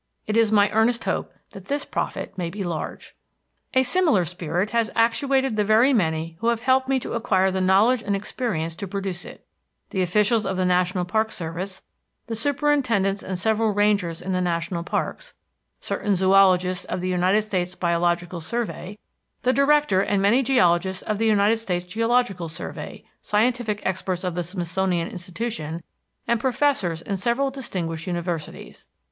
It is my earnest hope that this profit may be large. A similar spirit has actuated the very many who have helped me acquire the knowledge and experience to produce it; the officials of the National Park Service, the superintendents and several rangers in the national parks, certain zoologists of the United States Biological Survey, the Director and many geologists of the United States Geological Survey, scientific experts of the Smithsonian Institution, and professors in several distinguished universities.